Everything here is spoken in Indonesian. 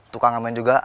tukang ngemain juga